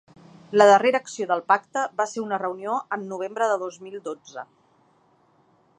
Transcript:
La darrera acció del pacte va ser una reunió en novembre de dos mil dotze.